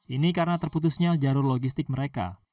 ini karena terputusnya jalur logistik mereka